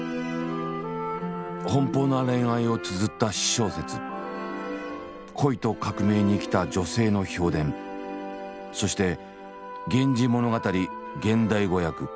奔放な恋愛をつづった私小説恋と革命に生きた女性の評伝そして「源氏物語」現代語訳。